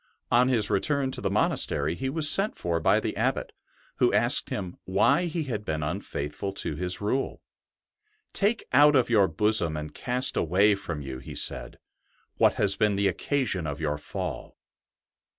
On his return to the monastery he was sent for by the Abbot, who asked him why he had been unfaithful to his Rule. " Take out of your bosom and cast away from you," he said, '' what has been the occasion of your fall."